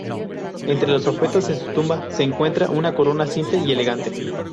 Entre los objetos de su tumba se encuentra una corona simple y elegante.